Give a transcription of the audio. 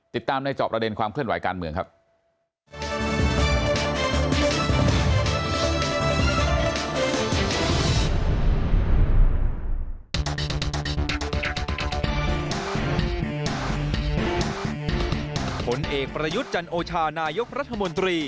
ติดตามในจอบประเด็นความเคลื่อนไหวการเมืองครับ